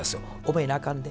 「覚えなあかんで。